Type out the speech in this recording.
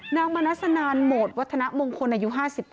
มณัสนานโหมดวัฒนมงคลอายุ๕๙